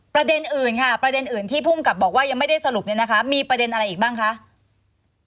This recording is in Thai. ประเด็นอื่นค่ะประเด็นอื่นที่ภูมิกับบอกว่ายังไม่ได้สรุปเนี่ยนะคะมีประเด็นอะไรอีกบ้างคะ